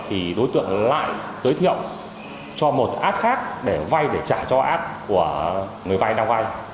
thì đối tượng lại giới thiệu cho một ad khác để vay để trả cho ad của người vay đang vay